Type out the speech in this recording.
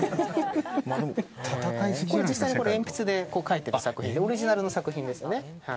実際に鉛筆で描いてる作品でオリジナルの作品ですね。